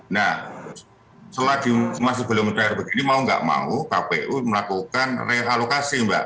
nah selagi masih belum terakhir begini mau tidak mau kpu melakukan re alokasi mbak